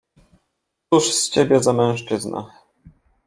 — Cóż z ciebie za mężczyzna?